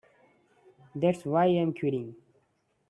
That's why I'm quitting.